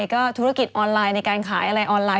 ก็ธุรกิจออนไลน์ในการขายอะไรออนไลน